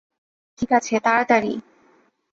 ঠিকাছে, তাড়াতাড়ি।